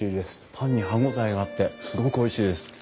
パンに歯応えがあってすごくおいしいです。